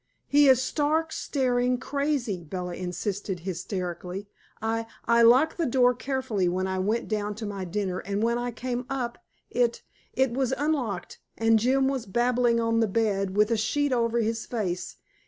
"He is stark, staring crazy," Bella insisted hysterically. "I I locked the door carefully when I went down to my dinner, and when I came up it it was unlocked, and Jim was babbling on the bed, with a sheet over his face.